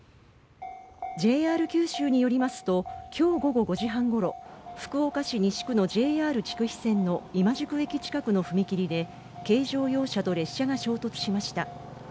ＪＲ九州によりますと今日午後５時半ごろ福岡市西区のＪＲ筑肥線の今宿駅近くの踏切で軽乗用車と列車が衝突しました。